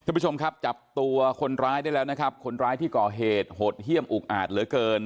คุณผู้ชมครับจับตัวคนร้ายได้แล้วนะครับคนร้ายที่ก่อเหตุโหดเยี่ยมอุกอาจเหลือเกิน